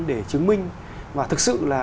để chứng minh và thực sự là